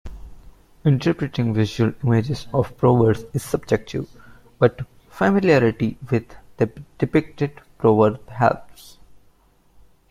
Interpreting visual images of proverbs is subjective, but familiarity with the depicted proverb helps.